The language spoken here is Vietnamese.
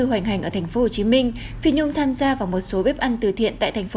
hoành hành ở thành phố hồ chí minh phi nhung tham gia vào một số bếp ăn từ thiện tại thành phố